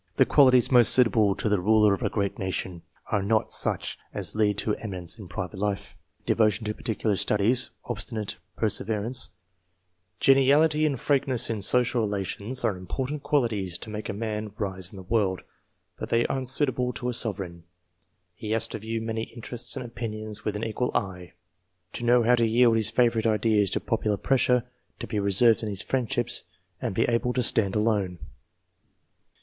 The qualities most suitable to the ruler of a great nation, are not such as lead to e'minence in private life. Devotion to particular studies, obstinate perseverance, geniality and frankness in social relations, are important qualities to make a man rise in the world, but they are unsuitable to a sovereign. He has to view many interests and opinions with an equal eye ; to know how to yield his favourite ideas to popular pressure, to be reserved in his friendships and able to stand alone.